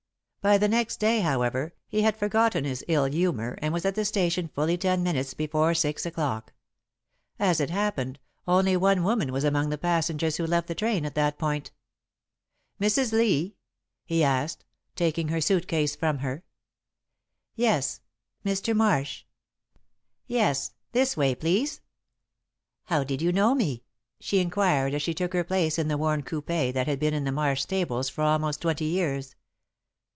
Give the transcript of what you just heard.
By the next day, however, he had forgotten his ill humour and was at the station fully ten minutes before six o'clock. As it happened, only one woman was among the passengers who left the train at that point. "Mrs. Lee?" he asked, taking her suit case from her. "Yes. Mr. Marsh?" "Yes. This way, please." "How did you know me?" she inquired, as she took her place in the worn coupé that had been in the Marsh stables for almost twenty years.